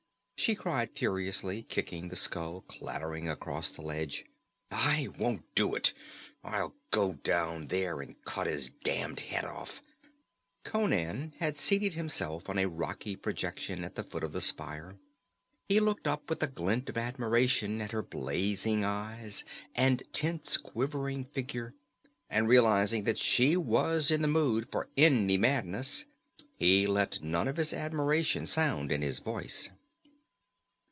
she cried furiously, kicking the skull clattering across the ledge. "I won't do it! I'll go down there and cut his damned head off " Conan had seated himself on a rocky projection at the foot of the spire. He looked up with a glint of admiration at her blazing eyes and tense, quivering figure, but, realizing that she was in just the mood for any madness, he let none of his admiration sound in his voice.